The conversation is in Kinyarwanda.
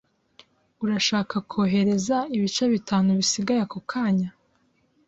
Urashaka kohereza ibice bitanu bisigaye ako kanya?